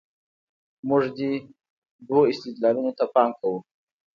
موږ دې دوو استدلالونو ته پام کوو.